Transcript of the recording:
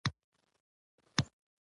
د افغانستان ټول قومونه بايد پښتو زده کړي.